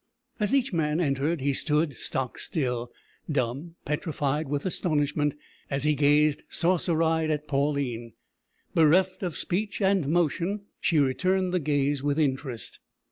As each man entered he stood stock still dumb, petrified with astonishment as he gazed, saucer eyed, at Pauline. Bereft of speech and motion, she returned the gaze with interest.